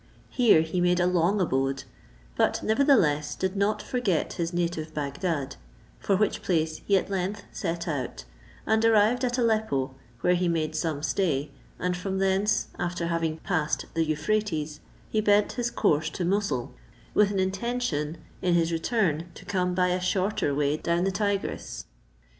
Here he made a long abode, but, nevertheless, did not forget his native Bagdad: for which place he at length set out, and arrived at Aleppo, where he made some stay; and from thence, after having passed the Euphrates, he bent his course to Moussoul, with an intention, in his return, to come by a shorter way down the Tigris.